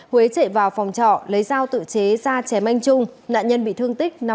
huế chạy vào phòng trọ lấy dao tự chế ra chém anh trung nạn nhân bị thương tích năm mươi năm